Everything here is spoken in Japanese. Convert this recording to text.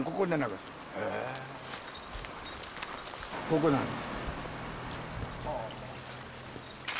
ここなの。